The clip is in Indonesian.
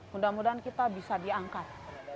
mudah mudahan kita bisa diangkat